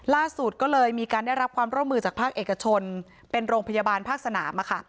ล่าสุดก็เลยมีการได้รับความร่วมมือจากภาคเอกชนเป็นโรงพยาบาลภาคสนาม